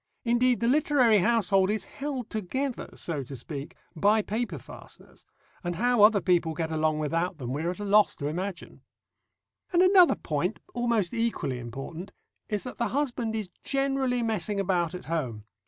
Indeed, the literary household is held together, so to speak, by paper fasteners, and how other people get along without them we are at a loss to imagine. And another point, almost equally important, is that the husband is generally messing about at home.